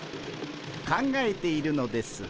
考えているのです。